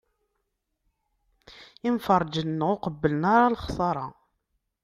Imferrǧen-nneɣ ur qebblen ara lexṣara.